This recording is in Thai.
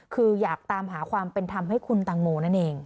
คืออยากตามหาความเป็นธรรมให้คุณตังโมนั่นเอง